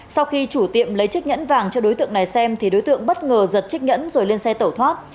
sau khi chủ tiệm lấy chiếc nhẫn vàng cho đối tượng này xem thì đối tượng bất ngờ giật chiếc nhẫn rồi lên xe tẩu thoát